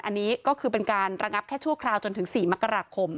อันนี้ก็คือเป็นการระงับแค่ชั่วคราวจนถึง๔มกราคม